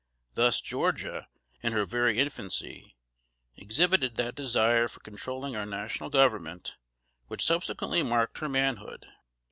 Thus Georgia, in her very infancy, exhibited that desire for controlling our National Government which subsequently marked her manhood.